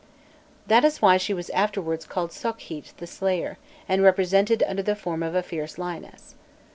6). That is why she was afterwards called Sokhît the slayer, and represented under the form of a fierce lioness.